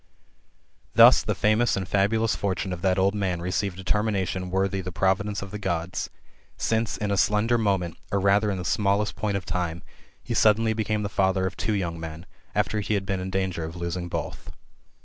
Thus the famous and fabulous^ fortune of that old man received a termination worthy the providence of the Gods ; since in a slender moment, or rather in the smallest point of time, he suddenly became the father of two young men, after he had been in danger of losing both.